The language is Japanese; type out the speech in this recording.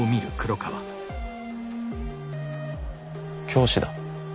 教師だ。